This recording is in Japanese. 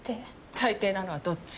最低なのはどっち？